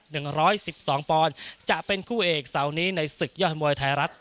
ขึ้นมาเก็บตัวอยู่๒อาทิตย์ครับ